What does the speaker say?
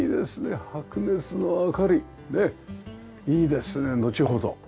いいですねのちほど。